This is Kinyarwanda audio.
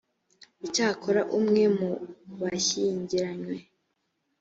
icyakora umwe mu bashyingiranywe